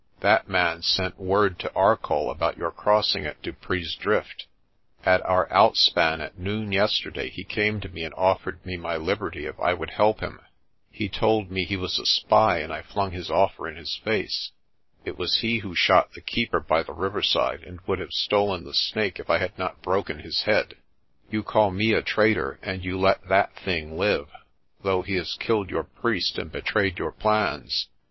That man sent word to Arcoll about your crossing at Dupree's Drift. At our outspan at noon yesterday he came to me and offered me my liberty if I would help him. He told me he was a spy and I flung his offer in his face. It was he who shot the Keeper by the river side and would have stolen the Snake if I had not broken his head. You call me a traitor and you let that thing live, though he has killed your priest and betrayed your plans.